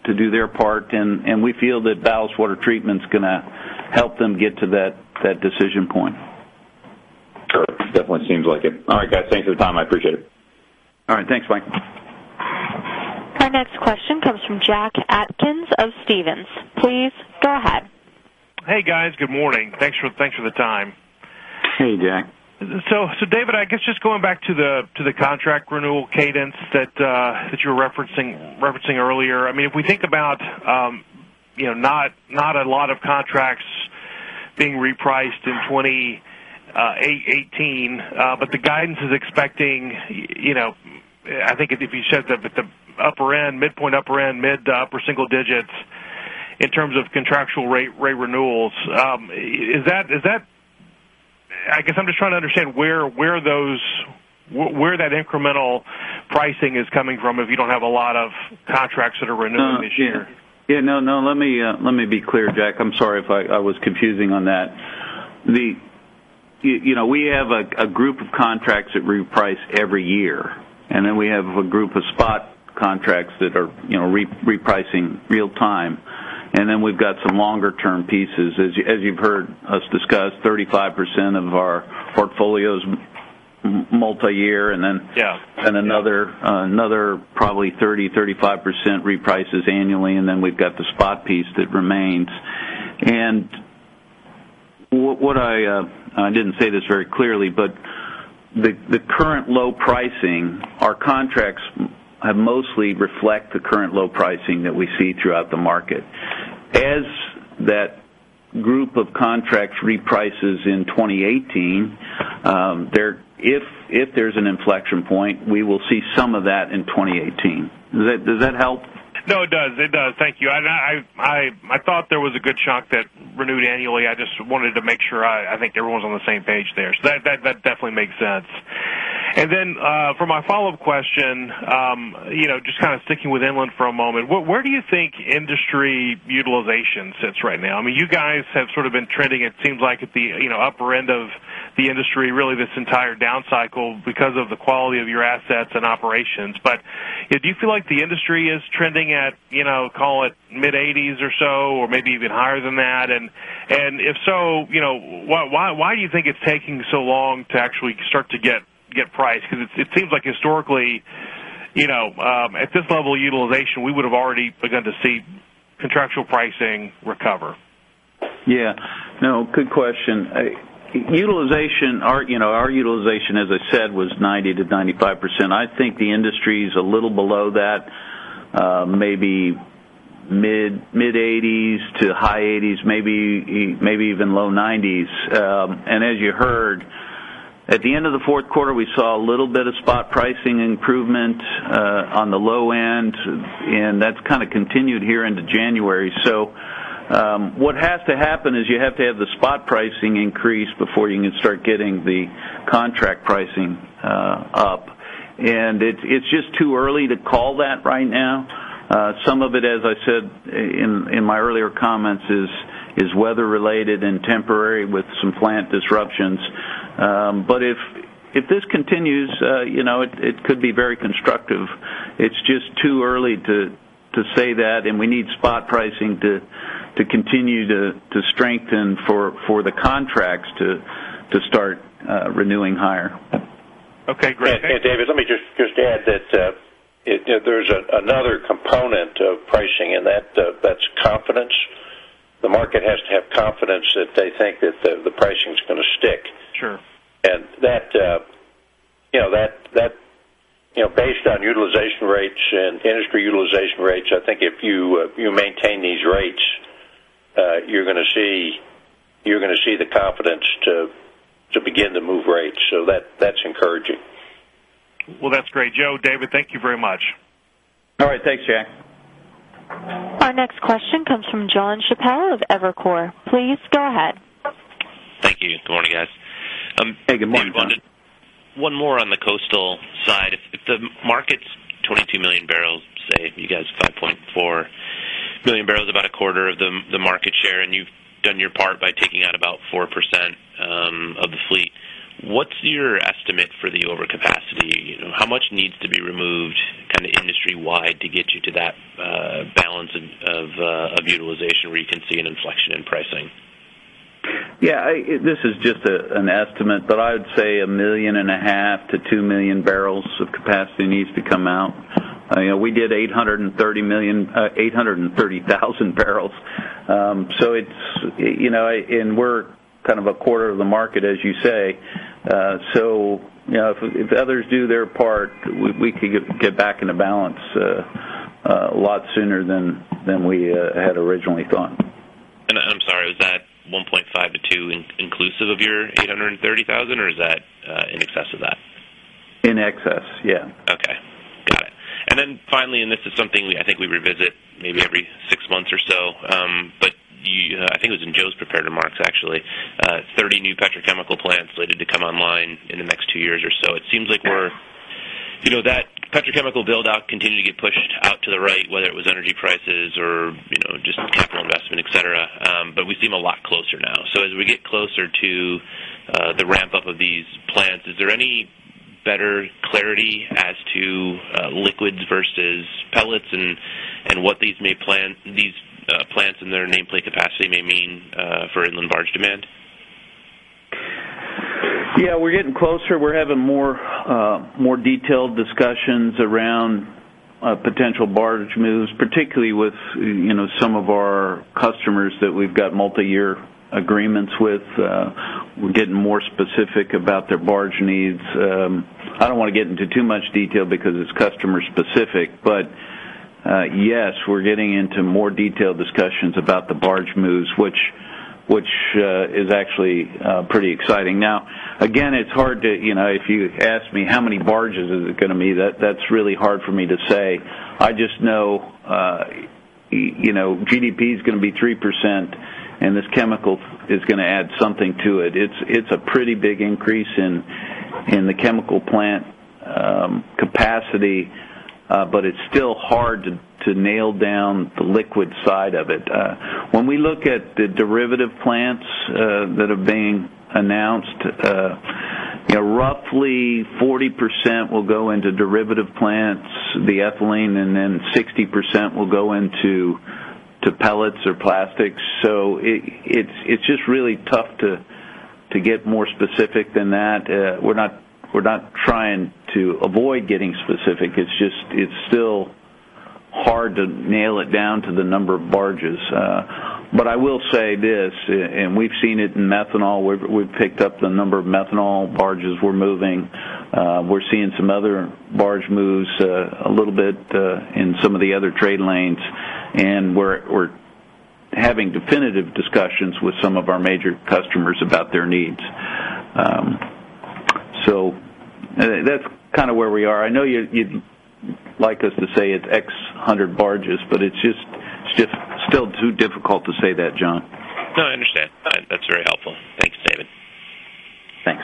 to do their part, and we feel that ballast water treatment's gonna help them get to that decision point. Sure. Definitely seems like it. All right, guys. Thanks for the time. I appreciate it. All right. Thanks, Michael. Our next question comes from Jack Atkins of Stephens. Please go ahead. Hey, guys. Good morning. Thanks for, thanks for the time. Hey, Jack. So, David, I guess just going back to the contract renewal cadence that you were referencing earlier. I mean, if we think about, you know, not a lot of contracts being repriced in 2018, but the guidance is expecting, you know, I think if you said that at the upper end, midpoint, upper end, mid to upper single digits in terms of contractual rate renewals, is that I guess I'm just trying to understand where that incremental pricing is coming from, if you don't have a lot of contracts that are renewing this year? Yeah. No, no. Let me let me be clear, Jack. I'm sorry if I was confusing on that. You know, we have a group of contracts that reprice every year, and then we have a group of spot contracts that are, you know, repricing real time. And then we've got some longer-term pieces. As you've heard us discuss, 35% of our portfolio is multiyear, and then and another probably 30%-35% reprices annually, and then we've got the spot piece that remains. And what I didn't say this very clearly, but the current low pricing, our contracts mostly reflect the current low pricing that we see throughout the market. As that group of contracts reprices in 2018, there if there's an inflection point, we will see some of that in 2018. Does that help? No, it does. It does. Thank you. And I thought there was a good chunk that renewed annually. I just wanted to make sure I think everyone's on the same page there. So that definitely makes sense. And then, for my follow-up question, you know, just kind of sticking with inland for a moment. Where do you think industry utilization sits right now? I mean, you guys have sort of been trending, it seems like, at the, you know, upper end of the industry, really, this entire downcycle because of the quality of your assets and operations. But do you feel like the industry is trending at, you know, call it mid-80s or so, or maybe even higher than that? And if so, you know, why do you think it's taking so long to actually start to get price? Because it seems like historically, you know, at this level of utilization, we would've already begun to see contractual pricing recover. Yeah. No, good question. Utilization, our, you know, our utilization, as I said, was 90%-95%. I think the industry is a little below that, maybe mid-80s to high 80s, maybe even low 90s. And as you heard at the end of the fourth quarter, we saw a little bit of spot pricing improvement on the low end, and that's kind of continued here into January. So, what has to happen is you have to have the spot pricing increase before you can start getting the contract pricing up. And it's just too early to call that right now. Some of it, as I said in my earlier comments, is weather related and temporary with some plant disruptions. But if this continues, you know, it could be very constructive. It's just too early to say that, and we need spot pricing to continue to strengthen for the contracts to start renewing higher. Okay, great. And David, let me just add that, there's another component of pricing, and that's confidence. The market has to have confidence that they think that the pricing is gonna stick. Sure. That, you know, based on utilization rates and industry utilization rates, I think if you maintain these rates, you're gonna see the confidence to begin to move rates. So that's encouraging. Well, that's great. Joe, David, thank you very much. All right. Thanks, Jack. Our next question comes from Jon Chappell of Evercore. Please go ahead. Thank you. Good morning, guys. Hey, good morning, John. One more on the coastal side. If the market's 22 million barrels, say, you guys 5.4 million barrels, about a quarter of the market share, and you've done your part by taking out about 4% of the fleet. What's your estimate for the overcapacity? How much needs to be removed, kind of industry-wide, to get you to that of utilization, where you can see an inflection in pricing? Yeah, this is just an estimate, but I would say 1.5 million-2 million barrels of capacity needs to come out. You know, we did 830 million, 830,000 barrels. So it's, you know, and we're kind of a quarter of the market, as you say. So you know, if others do their part, we could get back into balance a lot sooner than we had originally thought. I'm sorry, was that 1.5-2 inclusive of your 830,000, or is that in excess of that? In excess, yeah. Okay. Got it. And then finally, and this is something we, I think we revisit maybe every six months or so. But you, I think it was in Joe's prepared remarks, actually. 30 new petrochemical plants slated to come online in the next two years or so. It seems like we're, you know, that petrochemical build-out continued to get pushed out to the right, whether it was energy prices or, you know, just capital investment, et cetera, but we seem a lot closer now. So as we get closer to the ramp-up of these plants, is there any better clarity as to liquids versus pellets and what these plants and their nameplate capacity may mean for inland barge demand? Yeah, we're getting closer. We're having more, more detailed discussions around potential barge moves, particularly with, you know, some of our customers that we've got multiyear agreements with. We're getting more specific about their barge needs. I don't want to get into too much detail because it's customer specific, but yes, we're getting into more detailed discussions about the barge moves, which is actually pretty exciting. Now, again, it's hard to, you know, if you ask me how many barges is it gonna be, that's really hard for me to say. I just know, you know, GDP is gonna be 3%, and this chemical is gonna add something to it. It's a pretty big increase in the chemical plant capacity, but it's still hard to nail down the liquid side of it. When we look at the derivative plants that are being announced, you know, roughly 40% will go into derivative plants, the ethylene, and then 60% will go into to pellets or plastics. So it's just really tough to get more specific than that. We're not trying to avoid getting specific. It's just still hard to nail it down to the number of barges. But I will say this, and we've seen it in methanol. We've picked up the number of methanol barges we're moving. We're seeing some other barge moves, a little bit, in some of the other trade lanes, and we're having definitive discussions with some of our major customers about their needs. So that's kind of where we are. I know you'd like us to say it's x hundred barges, but it's just still too difficult to say that, John. No, I understand. That's very helpful. Thanks, David. Thanks.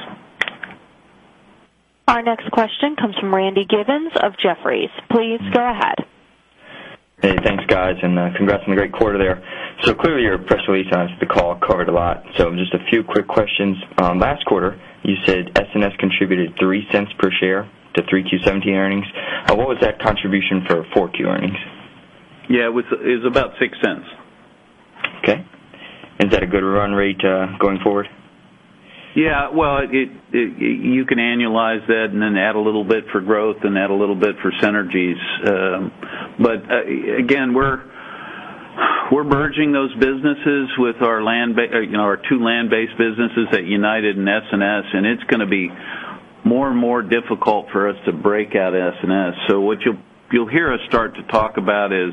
Our next question comes from Randy Giveans of Jefferies. Please go ahead. Hey, thanks, guys, and congrats on the great quarter there. So clearly, your press release on the call covered a lot. So just a few quick questions. Last quarter, you said S&S contributed $0.03 per share to 3Q 2017 earnings. What was that contribution for 4Q earnings? Yeah, it was it's about $0.06. Okay. Is that a good run rate, going forward? Yeah, well, you can annualize that and then add a little bit for growth and add a little bit for synergies. But again, we're merging those businesses with our land-based businesses at United and S&S, and it's gonna be more and more difficult for us to break out S&S. So what you'll hear us start to talk about is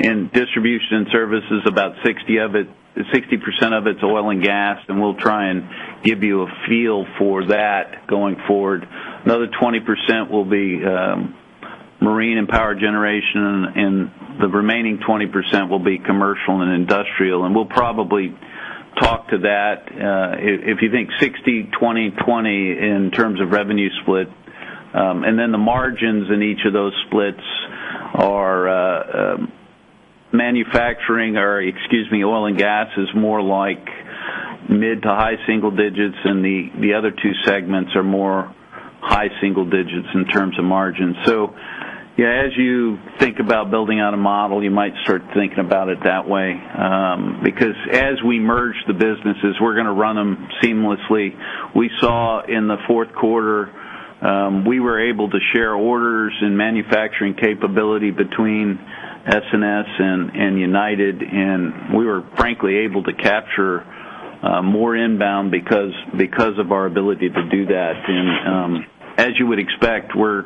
in distribution and services, about 60% of it's oil and gas, and we'll try and give you a feel for that going forward. Another 20% will be marine and power generation, and the remaining 20% will be commercial and industrial, and we'll probably talk to that. If you think 60, 20, 20 in terms of revenue split, and then the margins in each of those splits are, manufacturing or, excuse me, oil and gas is more like mid to high single-digits, and the other two segments are more high single-digits in terms of margins. So yeah, as you think about building out a model, you might start thinking about it that way, because as we merge the businesses, we're gonna run them seamlessly. We saw in the fourth quarter, we were able to share orders and manufacturing capability between S&S and United, and we were frankly able to capture more inbound because of our ability to do that. And, as you would expect, we're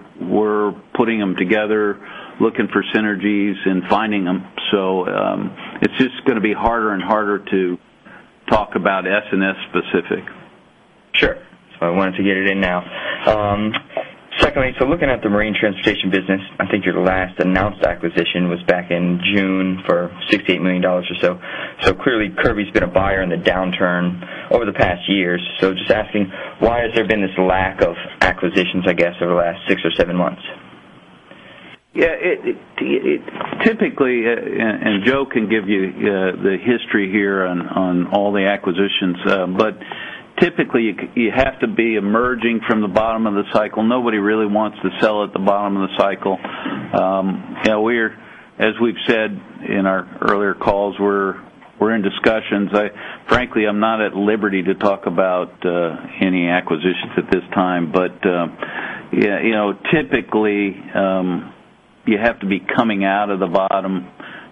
putting them together, looking for synergies and finding them. It's just gonna be harder and harder to talk about S&S specific. Sure. So I wanted to get it in now. Secondly, so looking at the marine transportation business, I think your last announced acquisition was back in June for $68 million or so. So clearly, Kirby's been a buyer in the downturn over the past years. So just asking, why has there been this lack of acquisitions, I guess, over the last six or seven months? Yeah, it typically and Joe can give you the history here on all the acquisitions, but typically, you have to be emerging from the bottom of the cycle. Nobody really wants to sell at the bottom of the cycle. You know, we're, as we've said in our earlier calls, we're in discussions. Frankly, I'm not at liberty to talk about any acquisitions at this time, but yeah, you know, typically you have to be coming out of the bottom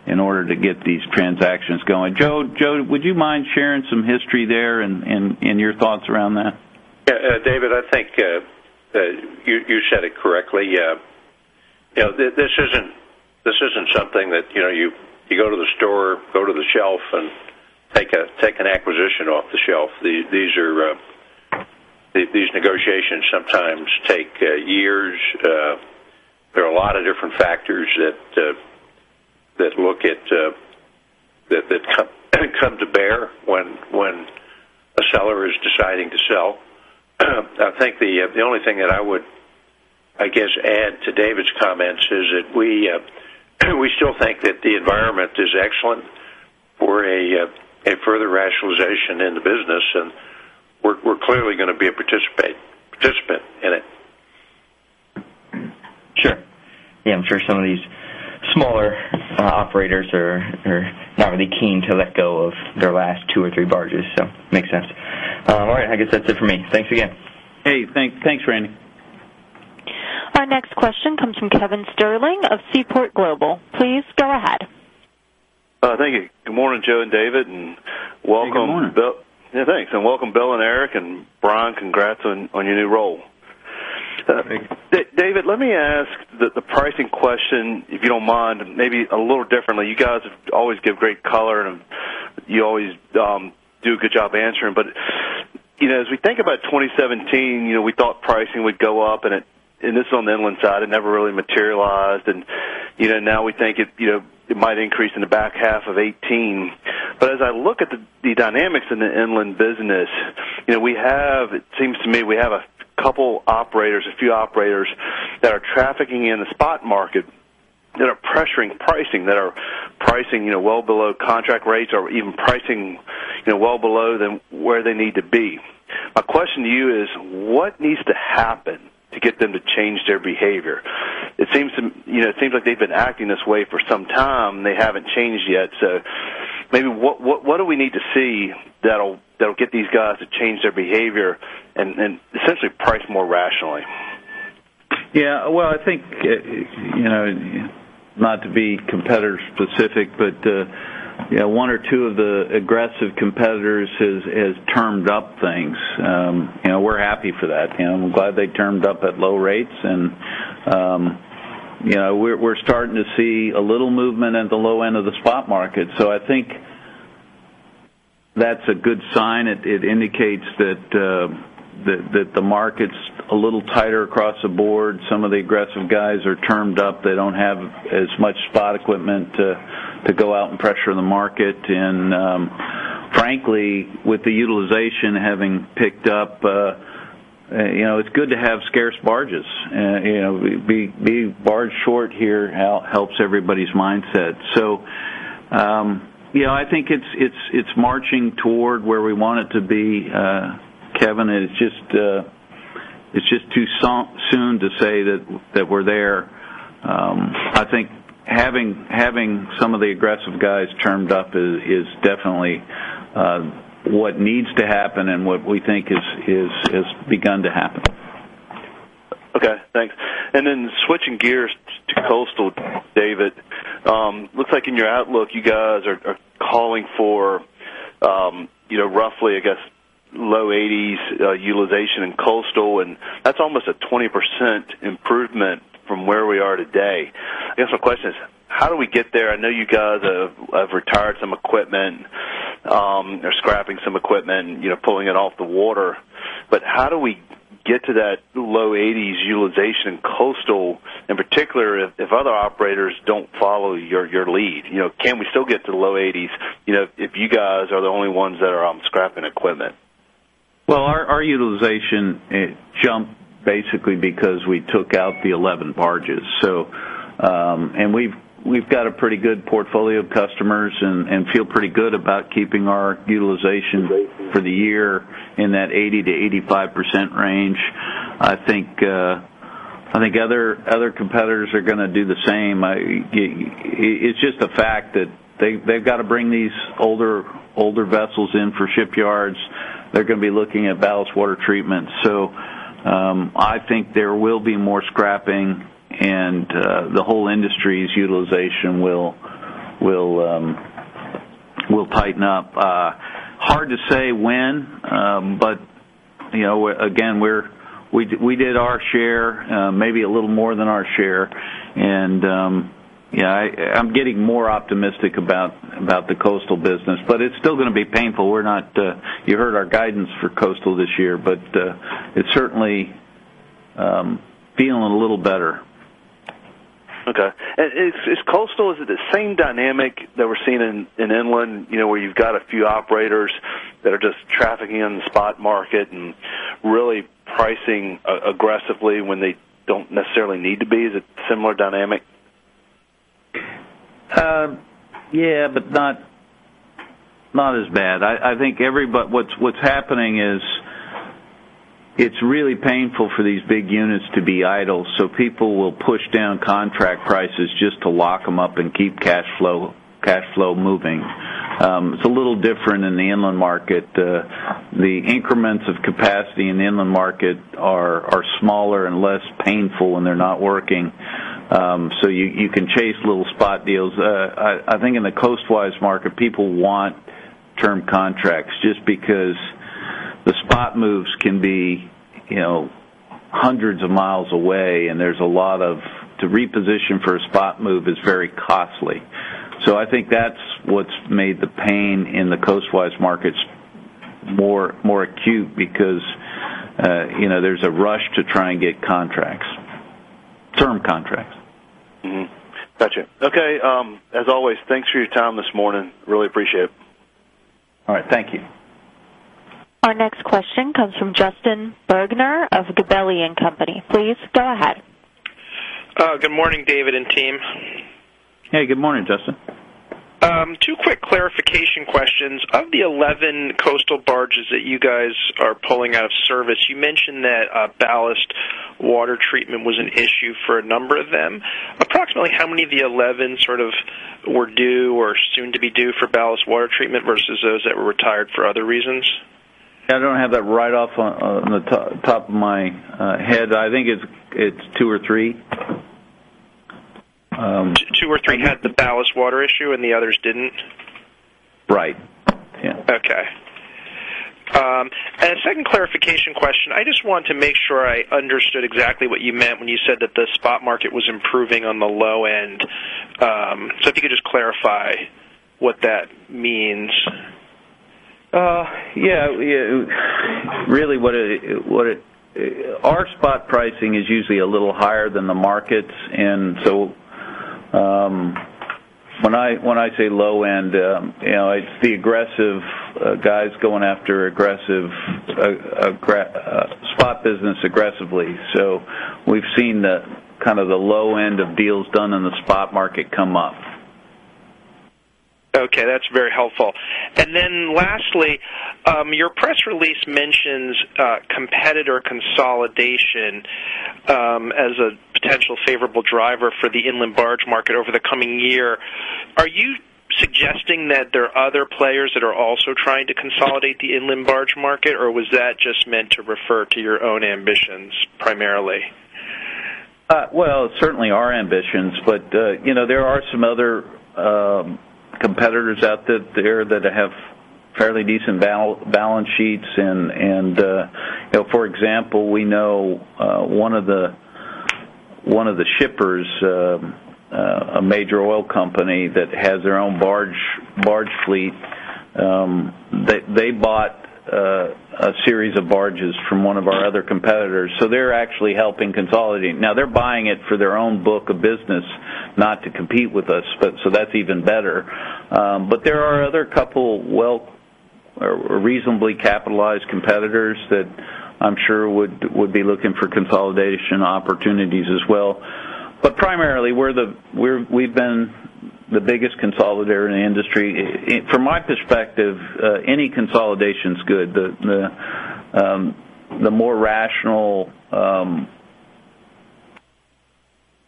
in order to get these transactions going. Joe, would you mind sharing some history there and your thoughts around that? Yeah, David, I think you said it correctly. You know, this isn't something that, you know, you go to the store, go to the shelf, and take an acquisition off the shelf. These are negotiations sometimes take years. There are a lot of different factors that come to bear when a seller is deciding to sell. I think the only thing that I would, I guess, add to David's comments is that we still think that the environment is excellent for a further rationalization in the business, and we're clearly gonna be a participant in it. Sure. Yeah, I'm sure some of these smaller operators are not really keen to let go of their last two or three barges, so makes sense. All right, I guess that's it for me. Thanks again. Hey, thanks. Thanks, Randy. Our next question comes from Kevin Sterling of Seaport Global. Please go ahead. Thank you. Good morning, Joe and David, and welcome. Good morning. Yeah, thanks, and welcome, Bill and Eric and Brian. Congrats on your new role. Thank you. David, let me ask the pricing question, if you don't mind, maybe a little differently. You guys always give great color, and you always do a good job answering. But, you know, as we think about 2017, you know, we thought pricing would go up, and it. And this is on the inland side, it never really materialized, and, you know, now we think it, you know, it might increase in the back half of 2018. But as I look at the dynamics in the inland business, you know, we have it seems to me we have a couple operators, a few operators, that are trafficking in the spot market, that are pressuring pricing, that are pricing, you know, well below contract rates or even pricing, you know, well below than where they need to be. My question to you is, what needs to happen to get them to change their behavior? It seems to, you know, it seems like they've been acting this way for some time, they haven't changed yet. So maybe what, what, what do we need to see that'll, that'll get these guys to change their behavior and, and essentially price more rationally? Yeah, well, I think, you know, not to be competitor specific, but, you know, one or two of the aggressive competitors has termed up things. You know, we're happy for that, and we're glad they termed up at low rates. And, you know, we're starting to see a little movement at the low end of the spot market, so I think that's a good sign. It indicates that the market's a little tighter across the board. Some of the aggressive guys are termed up. They don't have as much spot equipment to go out and pressure the market. And, frankly, with the utilization having picked up, you know, it's good to have scarce barges. You know, being barge short here helps everybody's mindset. So, you know, I think it's marching toward where we want it to be, Kevin, and it's just too soon to say that we're there. I think having some of the aggressive guys termed up is definitely what needs to happen and what we think has begun to happen. Okay, thanks. Then switching gears to coastal. Looks like in your outlook, you guys are calling for, you know, roughly, I guess, low 80s utilization in coastal, and that's almost a 20% improvement from where we are today. I guess my question is, how do we get there? I know you guys have retired some equipment or scrapping some equipment, you know, pulling it off the water. But how do we get to that low 80s utilization coastal, in particular, if other operators don't follow your lead? You know, can we still get to the low 80s, you know, if you guys are the only ones that are scrapping equipment? Well, our utilization, it jumped basically because we took out the 11 barges. So, and we've got a pretty good portfolio of customers and feel pretty good about keeping our utilization for the year in that 80%-85% range. I think other competitors are gonna do the same. It's just the fact that they've got to bring these older vessels in for shipyards. They're gonna be looking at ballast water treatment. So, I think there will be more scrapping, and the whole industry's utilization will tighten up. Hard to say when, but, you know, again, we did our share, maybe a little more than our share. And, yeah, I'm getting more optimistic about the coastal business, but it's still gonna be painful. We're not. You heard our guidance for coastal this year, but it's certainly feeling a little better. Okay. And is coastal, is it the same dynamic that we're seeing in inland, you know, where you've got a few operators that are just trafficking in the spot market and really pricing aggressively when they don't necessarily need to be? Is it similar dynamic? Yeah, but not as bad. I think what's happening is it's really painful for these big units to be idle, so people will push down contract prices just to lock them up and keep cash flow moving. It's a little different in the inland market. The increments of capacity in the inland market are smaller and less painful, and they're not working. So you can chase little spot deals. I think in the coastwise market, people want term contracts just because the spot moves can be, you know, hundreds of miles away, and there's a lot of... To reposition for a spot move is very costly. So I think that's what's made the pain in the coastwise markets more acute because, you know, there's a rush to try and get contracts, term contracts. Gotcha. Okay, as always, thanks for your time this morning. Really appreciate it. All right. Thank you. Our next question comes from Justin Bergner of Gabelli & Company. Please go ahead. Good morning, David and team. Hey, good morning, Justin. Two quick clarification questions. Of the 11 coastal barges that you guys are pulling out of service, you mentioned that ballast water treatment was an issue for a number of them. Approximately how many of the 11 sort of were due or soon to be due for ballast water treatment versus those that were retired for other reasons? I don't have that right off the top of my head. I think it's two or three. Two or three had the ballast water issue, and the others didn't? Right. Yeah. Okay. And second clarification question, I just want to make sure I understood exactly what you meant when you said that the spot market was improving on the low end. So if you could just clarify what that means. Yeah. Really, our spot pricing is usually a little higher than the markets, and so, when I say low end, you know, it's the aggressive guys going after aggressive spot business aggressively. So we've seen the kind of the low end of deals done in the spot market come up. Okay, that's very helpful. And then lastly, your press release mentions competitor consolidation as a potential favorable driver for the inland barge market over the coming year. Are you suggesting that there are other players that are also trying to consolidate the inland barge market, or was that just meant to refer to your own ambitions, primarily? Well, certainly our ambitions, but you know, there are some other competitors out there that have fairly decent balance sheets. You know, for example, we know one of the shippers, a major oil company that has their own barge fleet, they bought a series of barges from one of our other competitors, so they're actually helping consolidate. Now they're buying it for their own book of business, not to compete with us, but so that's even better. But there are other couple well or reasonably capitalized competitors that I'm sure would be looking for consolidation opportunities as well. But primarily, we've been the biggest consolidator in the industry. From my perspective, any consolidation is good. The more rational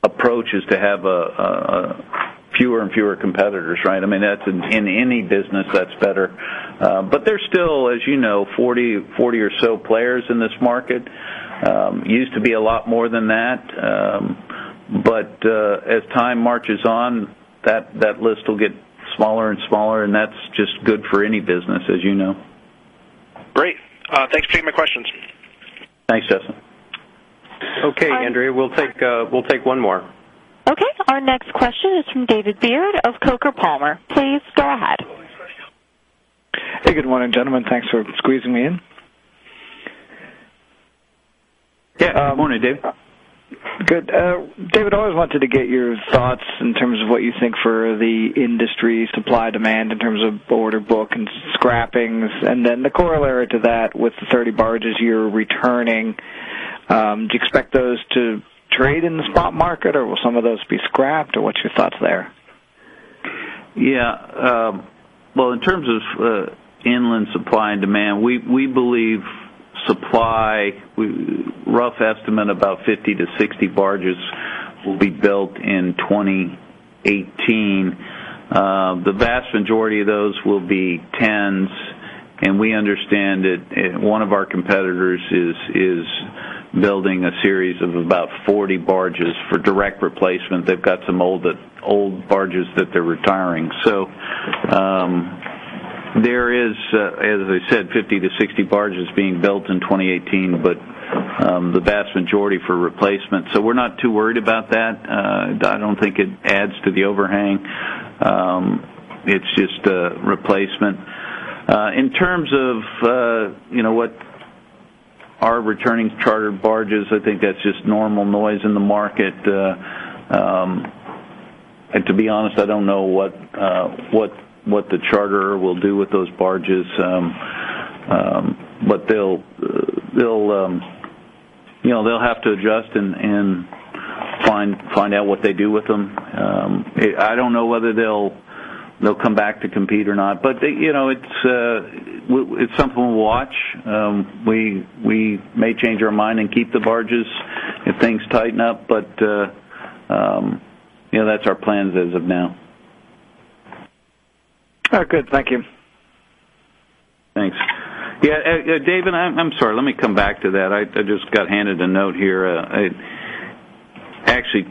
approach is to have a fewer and fewer competitors, right? I mean, that's in any business, that's better. But there's still, as you know, 40 or so players in this market. Used to be a lot more than that. But as time marches on, that list will get smaller and smaller, and that's just good for any business, as you know. Great. Thanks for taking my questions. Thanks, Justin. Okay, Andrea, we'll take, we'll take one more. Okay. Our next question is from David Beard of Coker & Palmer. Please go ahead. Hey, good morning, gentlemen. Thanks for squeezing me in. Yeah, good morning, Dave. Good. David, I always wanted to get your thoughts in terms of what you think for the industry supply-demand in terms of order book and scrappings, and then the corollary to that, with the 30 barges you're returning, do you expect those to trade in the spot market, or will some of those be scrapped, or what's your thoughts there? Yeah. Well, in terms of inland supply and demand, we believe supply, rough estimate, about 50-60 barges will be built in 2018. The vast majority of those will be 10s, and we understand that one of our competitors is building a series of about 40 barges for direct replacement. They've got some old, old barges that they're retiring. So, there is, as I said, 50-60 barges being built in 2018, but the vast majority for replacement, so we're not too worried about that. I don't think it adds to the overhang. It's just a replacement. In terms of, you know, what our returning charter barges, I think that's just normal noise in the market. To be honest, I don't know what the charterer will do with those barges. But they'll, you know, have to adjust and find out what they do with them. I don't know whether they'll come back to compete or not, but they, you know, it's something we'll watch. We may change our mind and keep the barges if things tighten up, but, you know, that's our plans as of now. All right, good. Thank you. Thanks. Yeah, David, I'm sorry. Let me come back to that. I just got handed a note here. Actually,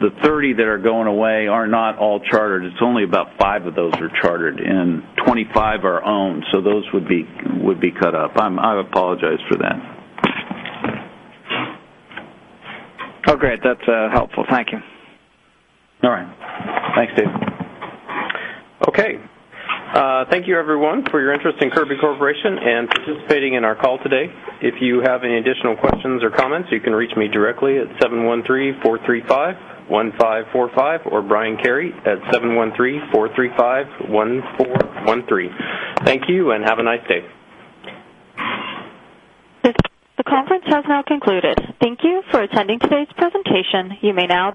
the 30 that are going away are not all chartered. It's only about five of those are chartered, and 25 are owned, so those would be cut up. I apologize for that. Oh, great. That's, helpful. Thank you. All right. Thanks, David. Okay. Thank you, everyone, for your interest in Kirby Corporation and participating in our call today. If you have any additional questions or comments, you can reach me directly at 713-435-1545, or Brian Kerr at 713-435-1413. Thank you, and have a nice day. The conference has now concluded. Thank you for attending today's pres entation. You may now disconnect.